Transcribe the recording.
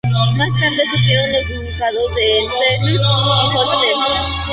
Más tarde surgieron los ducados de Schleswig y Holstein.